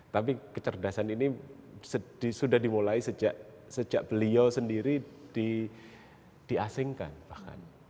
tapi kecerdasan ini sudah dimulai sejak beliau sendiri diasingkan bahkan